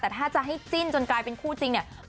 แต่ถ้าจะให้จิ้นจนกลายเป็นคู่จริงเนี่ย